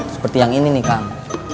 seperti yang ini kang